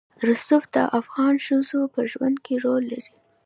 رسوب د افغان ښځو په ژوند کې رول لري.